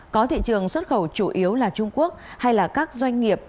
có thị trường xuất khẩu chủ yếu là trung quốc hay là các doanh nghiệp